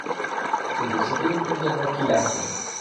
কিন্তু সিকিউরিটির জন্য কী রাখবে?